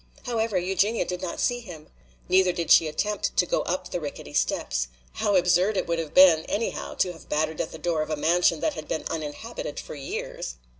However, Eugenia did not see him. Neither did she attempt to go up the rickety steps. How absurd it would have been anyhow to have battered at the door of a mansion that had been uninhabited for years!